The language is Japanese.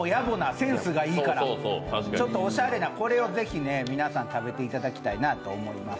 センスがいいから、ちょっとおしゃれなこれを皆さんに食べていただきたいと思います。